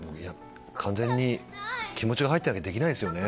完全に気持ちが入ってないとできないですよね。